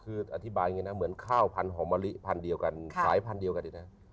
คืออธิบายอย่างนี้นะเหมือนข้าวพันธอมมะลิพันธุ์เดียวกันสายพันธุ์เดียวกันอีกนะ